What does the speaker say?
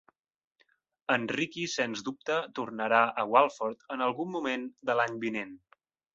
En Ricky sens dubte tornarà a Walford en algun moment de l'any vinent.